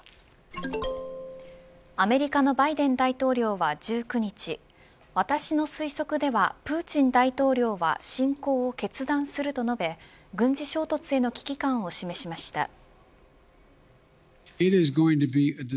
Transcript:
アメリカのバイデン大統領は１９日私の推測ではプーチン大統領は侵攻を決断する、と述べ軍事衝突への危機感を示しました。